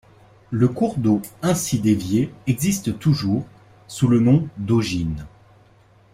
Le cours d'eau ainsi dévié existe toujours, sous le nom d'Augine.